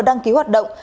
đăng ký hoạt động